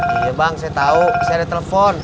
iya bang saya tau saya ada telepon